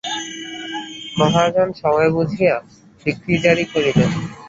মহাজন সময় বুঝিয়া ডিক্রীজারি করিল।